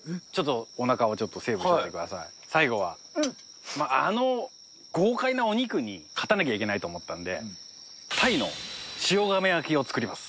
最後はあの豪快なお肉に勝たなきゃいけないと思ったので鯛の塩釜焼きを作ります。